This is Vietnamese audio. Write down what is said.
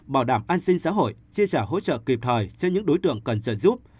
bảo đảm an sinh xã hội chia sẻ hỗ trợ kịp thời cho những đối tượng cần trợ giúp